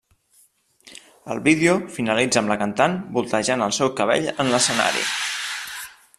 El vídeo finalitza amb la cantant voltejant el seu cabell en l'escenari.